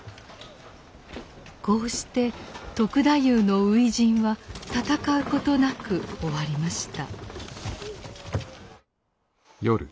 こうして篤太夫の初陣は戦うことなく終わりました。